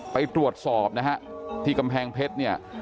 ไปตรวจสอบนะฮะที่กำแพงเพชรเนี่ย